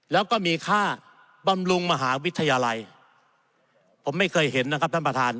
แล้วก็มีค่าบำรุงมหาวิทยาลัยผมไม่เคยเห็นนะครับท่านประธาน